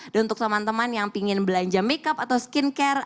dan untuk teman teman yang pingin belanja make up atau skin care